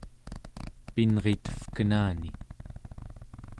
pinritevkenani